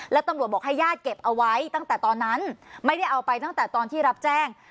แล้วตำรวจบอกให้ญาติเก็บเอาไว้ตั้งแต่ตอนนั้นไม่ได้เอาไปตั้งแต่ตอนที่รับแจ้ง